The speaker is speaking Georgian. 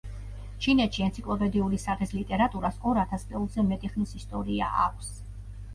ჩინეთში ენციკლოპედიური სახის ლიტერატურას ორ ათასწლეულზე მეტი ხნის ისტორია აქვს.